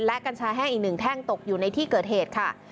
และกัญชาแห้งอีก๑แท่งตกอยู่ในที่เกิดเหตุค่ะ